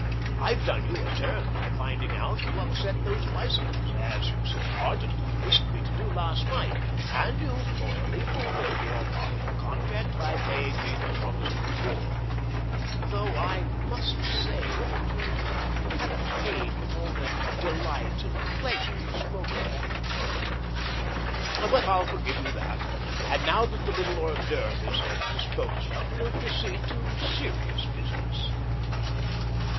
I've done you a turn by finding out Vi^ho upset those bicycles, as you so ardently wished me to do last night, and you've loyally fulfilled your part of the contract by paying the promised reward — though I must say that you haven't paid with all the delight and pleasure you spoke of at the time. But I'll forgive you that, and now that the little hors d'oeuvre is disposed of, we'll proceed to serious business."